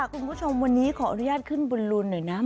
คุณผู้ชมวันนี้ขออนุญาตขึ้นบุญลูนหน่อยนะ